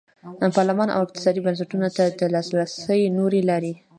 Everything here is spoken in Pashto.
پارلمان او اقتصادي بنسټونو ته د لاسرسي نورې لارې.